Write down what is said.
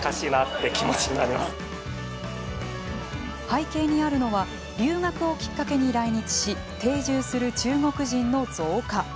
背景にあるのは留学をきっかけに来日し定住する中国人の増加。